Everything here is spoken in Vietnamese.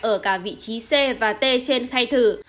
ở cả vị trí c và t trên khai thử